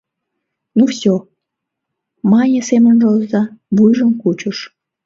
— Ну, все! — мане семынже оза, вуйжым кучыш.